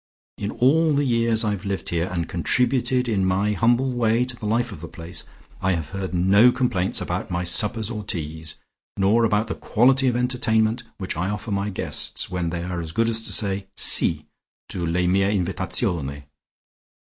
In all the years I have lived here, and contributed in my humble way to the life of the place, I have heard no complaints about my suppers or teas, nor about the quality of entertainment which I offer my guests when they are so good as to say 'Si,' to le mie invitazione.